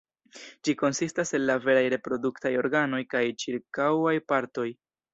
Ĝi konsistas el la veraj reproduktaj organoj kaj ĉirkaŭaj partoj.